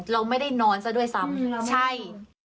เราไม่ได้นอนซะด้วยซ้ำใช่